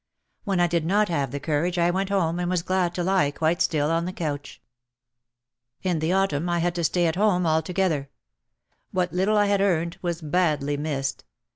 When I did not have the courage I went home and was glad to lie quite still on the couch. In the autumn I had to stay at home altogether. What little I had earned was badly missed.